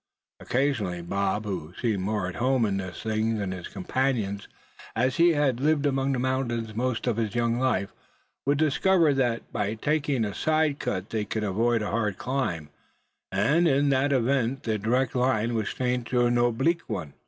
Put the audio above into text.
Occasionally Bob, who seemed more at home in this thing than his companion, as he had lived among the mountains most of his young life; would discover that by taking a side cut they could avoid a hard climb, and in that event the direct line was changed to an oblique one.